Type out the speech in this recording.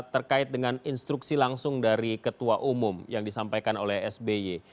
terkait dengan instruksi langsung dari ketua umum yang disampaikan oleh sby